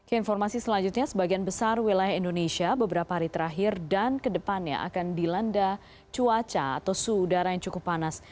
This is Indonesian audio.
keinformasi selanjutnya sebagian besar wilayah indonesia beberapa hari terakhir dan kedepannya akan dilanda cuaca atau suhu udara yang cukup panas